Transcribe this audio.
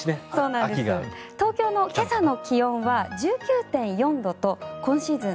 東京の今朝の気温は１９．４度と今シーズン